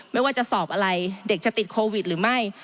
ไม่ว่าจะสอบอะไรเด็กจะติดโควิดหรือไม่